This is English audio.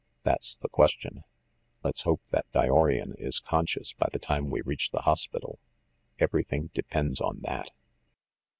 "That's the question. Let's hope that Dyorian is conscious by the time we reach the hospital. Every thing depends on that